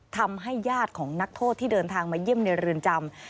ทำให้ญาติของนักโทษที่เดินทางมาเยี่ยมในเรือนจำ